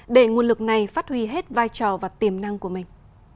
để nguồn lực này phát huy hết vai trò và tiềm năng của mình